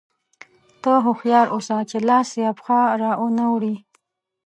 ته هوښیار اوسه چې لاس یا پښه را وانه وړې.